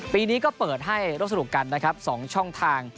ปีนี้ก็เปิดให้ร่วมสนุกกันนะครับ๒ช่องทาง